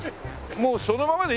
もうそのままで。